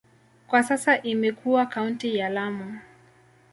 Kwa sasa imekuwa kaunti ya Lamu.